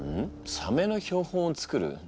サメの標本を作る？